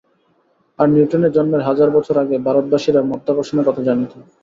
আর নিউটনের জন্মের হাজার বছর আগে ভারতবাসীরা মাধ্যাকর্ষণের কথা জানিত।